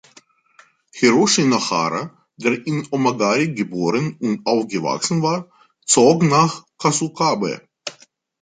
Hiroshi Nohara, der in Omagari geboren und aufgewachsen war, zog nach Kasukabe.